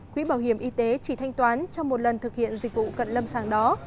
quỹ bảo hiểm y tế chỉ thanh toán trong một lần thực hiện dịch vụ cận lâm sàng đó